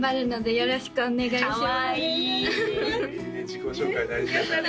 よろしくお願いします